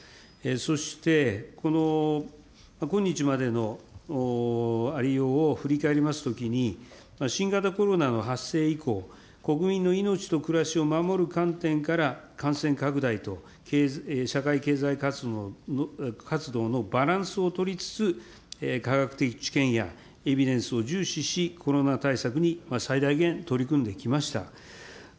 そして、今日までのありようを振り返りますときに、新型コロナの発生以降、国民の命と暮らしを守る観点から、感染拡大と社会経済活動のバランスを取りつつ、科学的知見やエビデンスを重視し、コロナ対策に最大限取り組んできました。